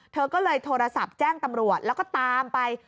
เธอก็เลยโทรศัพท์แจ้งตำรวจแล้วก็ตามไป